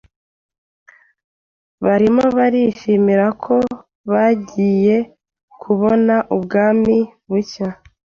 Bariho bishimira ko bagiye kubona ubwami bushya.